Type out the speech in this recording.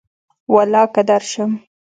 ولاکه درشم